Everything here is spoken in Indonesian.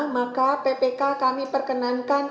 maka ppk kami perkenankan